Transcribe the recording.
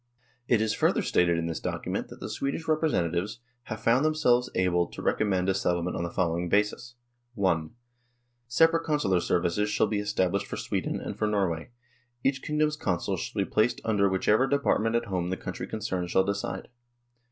It is further stated in this document that the Swedish representa tives " have found themselves able to recommend a settlement on the following basis : "(i) Separate Consular services shall be estab lished for Sweden and for Norway. Each king dom's Consuls shall be placed under whichever department at home the country concerned shall decide.